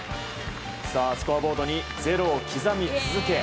スコアボードに０を刻み続け